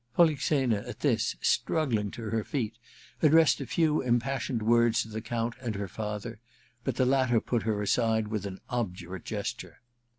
* Polixena, at this, struggling to her feet, addressed a few impassioned words to the Count and her. father ; but the latter put her aside with an obdurate gesture.